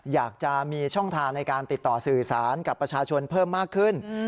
อยากจะมีช่องทางในการติดต่อสื่อสารกับประชาชนเพิ่มมากขึ้น